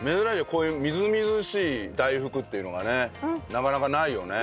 こういうみずみずしい大福っていうのがねなかなかないよね。